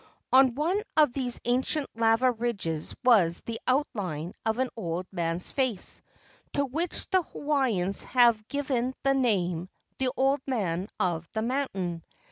On one of these ancient lava ridges was the outline of an old man's face, to which the Ha waiians have given the name, "The Old Man of the Mountain."